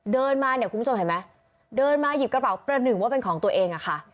เดินมาเนี่ยคุณผู้ชมเห็นไหมเดินมาหยิบกระเป๋าประหนึ่งว่าเป็นของตัวเองอะค่ะ